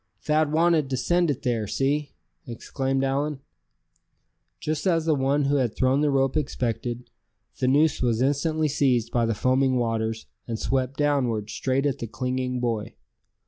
"Thad wanted to send it there; see!" exclaimed Allan. Just as the one who had thrown the rope expected, the noose was instantly seized by the foaming waters, and swept downward, straight at the clinging boy.